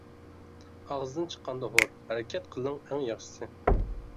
ئاغزىدىن چىققاندا ھور، ھەرىكەت قىلىڭ ئەڭ ياخشىسى.